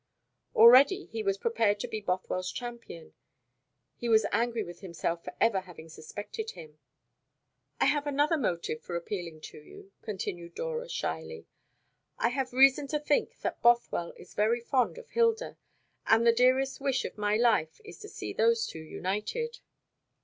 Already he was prepared to be Bothwell's champion; he was angry with himself for ever having suspected him. "I had another motive for appealing to you," continued Dora shyly. "I have reason to think that Bothwell is very fond of Hilda, and the dearest wish of my life is to see those two united."